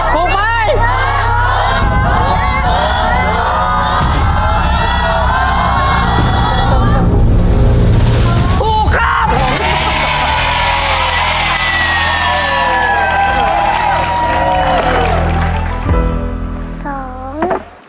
ถูกต้องถูกต้อง